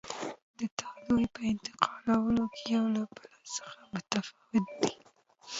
د تودوخې په انتقالولو کې یو له بل څخه متفاوت دي.